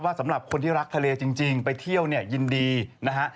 สำหรับคนที่รักทะเลจริงไปเที่ยวเนี่ยยินดีนะฮะ